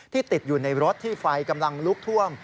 ติดอยู่ในรถที่ไฟกำลังลุกท่วม